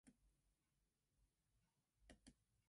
She was born in Manchester and spent her early years in Gatley.